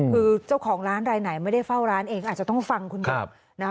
คือเจ้าของร้านรายไหนไม่ได้เฝ้าร้านเองก็อาจจะต้องฟังคุณหมอนะคะ